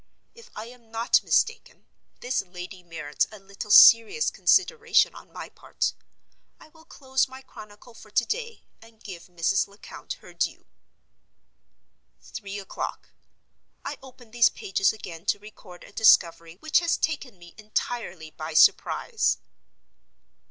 If I am not mistaken, this lady merits a little serious consideration on my part. I will close my chronicle for to day, and give Mrs. Lecount her due. Three o'clock.—I open these pages again to record a discovery which has taken me entirely by surprise.